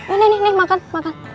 oh nih nih makan makan